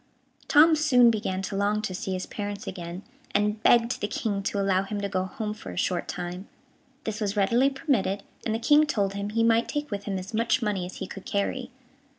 Tom soon began to long to see his parents again, and begged the King to allow him to go home for a short time. This was readily permitted, and the King told him he might take with him as much money as he could carry.